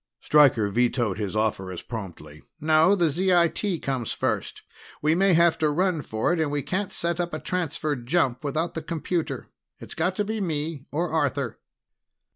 Stryker vetoed his offer as promptly. "No, the ZIT comes first. We may have to run for it, and we can't set up a Transfer jump without the computer. It's got to be me or Arthur."